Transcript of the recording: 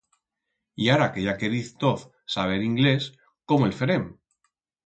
Y ara que ya queriz toz saber inglés, cómo el ferem?